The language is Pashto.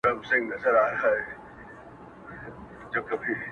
o اوښکي دې توی کړلې ډېوې؛ راته راوبهيدې؛